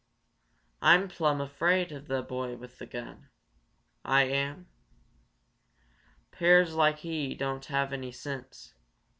Ah'm plumb afraid of a boy with a gun, Ah am. 'Pears like he doan have any sense.